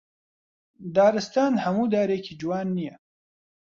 دارستان هەموو دارێکی جوان نییە